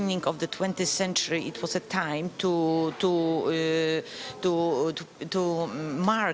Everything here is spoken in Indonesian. pada awal dua puluh th century itu adalah waktu untuk menunjukkan